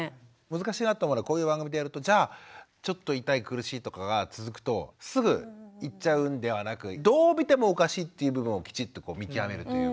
難しいなぁと思うのはこういう番組でやるとじゃあちょっと痛い苦しいとかが続くとすぐ行っちゃうんではなくどう見てもおかしいっていう部分をきちんと見極めるというか。